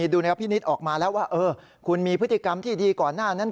ดูแนวพินิษฐ์ออกมาแล้วว่าคุณมีพฤติกรรมที่ดีก่อนหน้านั้น